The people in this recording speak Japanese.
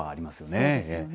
そうですよね。